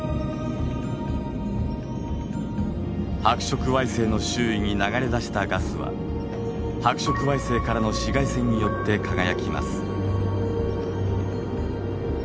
白色矮星の周囲に流れ出したガスは白色矮星からの紫外線によって輝きます。